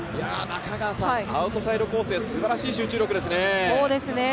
アウトサイド攻勢、すばらしい集中力ですね。